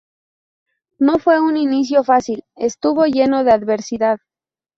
No fue un inicio fácil, estuvo lleno de adversidad.